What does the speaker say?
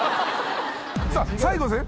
さあ最後ですね